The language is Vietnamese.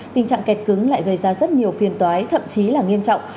tình trạng kẹt cứng lại gây ra rất nhiều phiền toái thậm chí là nghiêm trọng